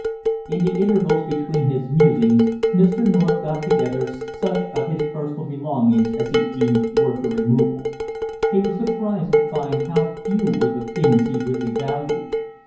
In the intervals between his musings Mr. North got together such of his personal belongings as he deemed worth the removal; he was surprised to find how few were the things he really valued.